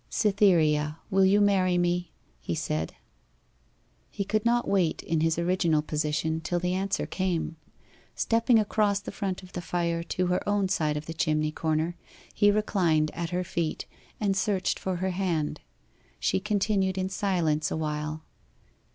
'Cytherea, will you marry me?' he said. He could not wait in his original position till the answer came. Stepping across the front of the fire to her own side of the chimney corner, he reclined at her feet, and searched for her hand. She continued in silence awhile.